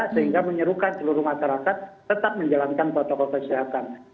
sehingga menyerukan seluruh masyarakat tetap menjalankan protokol kesehatan